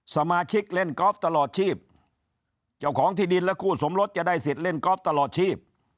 สมาชิกเล่นกอล์ฟตลอดชีพเจ้าของที่ดินและคู่สมรสจะได้สิทธิ์เล่นกอล์ฟตลอดชีพ